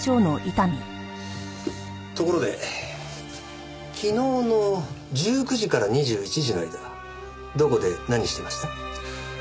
ところで昨日の１９時から２１時の間どこで何してました？